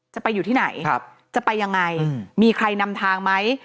จะไปอยู่ที่ไหนจะไปยังไงมีใครนำทางไหม